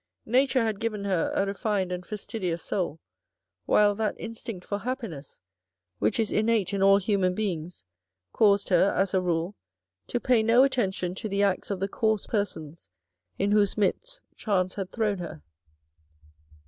Nature had given her a refined and fastidious soul, while that instinct for happiness which is innate in all human beings caused her, as a rule, to pay no attention to the acts of the coarse persons in whose midst chance had thrown her.